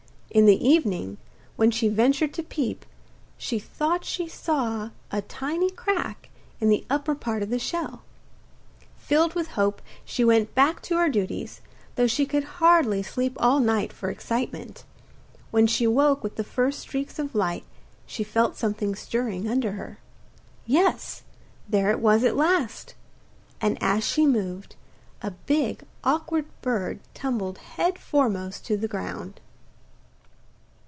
In the evening, when she ventured to peep, she thought she saw a tiny crack in the upper part of the shell. Filled with hope, she went back to her duties, though she could hardly sleep all night for excitement. When she woke with the first steaks of light she felt something stirring under her. Yes, there it was at last; and as she moved, a big awkward bird tumbled head foremost on the ground.